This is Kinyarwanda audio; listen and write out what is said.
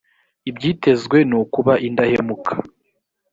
ibyitezwe nukuba indahemuka.